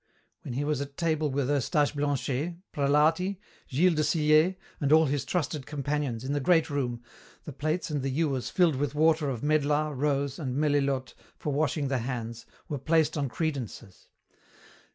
When he was at table with Eustache Blanchet, Prelati, Gilles de Sillé, all his trusted companions, in the great room, the plates and the ewers filled with water of medlar, rose, and melilote for washing the hands, were placed on credences.